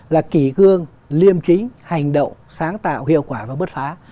là kỷ cương liêm chính hành động sáng tạo hiệu quả và bứt phá